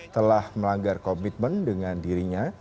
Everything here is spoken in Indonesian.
telah melanggar komitmen dengan dirinya